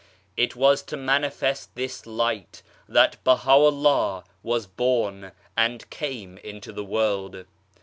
It was to manifest this Light that Baha'ullah was born, and came into the world.